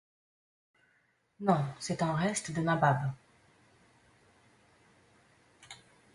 Non, c’est un reste de Nabab…